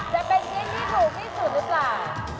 จะเป็นชิ้นที่ถูกที่สุดหรือเปล่า